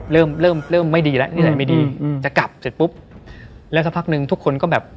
เริ่มเริ่มเริ่มไม่ดีแล้วนิสัยไม่ดีอืมจะกลับเสร็จปุ๊บแล้วสักพักหนึ่งทุกคนก็แบบ